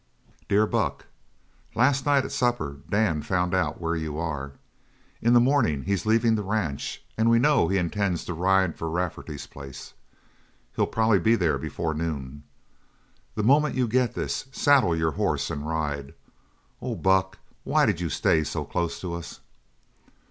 "Dear Buck, Last night at supper Dan found out where you are. In the morning he's leaving the ranch and we know that he intends to ride for Rafferty's place; he'll probably be there before noon. The moment you get this, saddle your horse and ride. Oh, Buck, why did you stay so close to us?